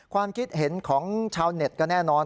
ความคิดเห็นของชาวเน็ตก็แน่นอน